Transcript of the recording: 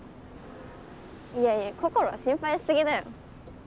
いやいや心は心配しすぎだよ。